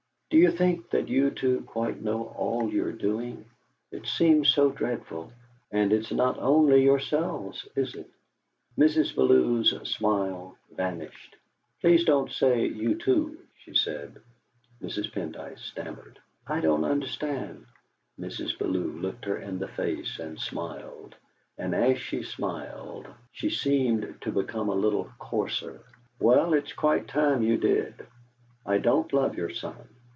Do you think that you two quite know all you're doing? It seems so dreadful, and it's not only yourselves, is it?" Mrs. Bellew's smile vanished. "Please don't say 'you two,'. she said. Mrs. Pendyce stammered: "I don't understand." Mrs. Bellew looked her in the face and smiled; and as she smiled she seemed to become a little coarser. "Well, I think it's quite time you did! I don't love your son.